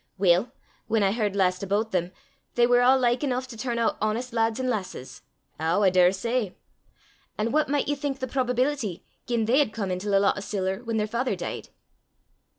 "Weel, whan I h'ard last aboot them, they were a' like eneuch to turn oot honest lads an' lasses." "Ow, I daursay!" "An' what micht ye think the probability gien they had come intil a lot o' siller whan their father dee'd?"